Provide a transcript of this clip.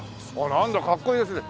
なんだかっこいいですね。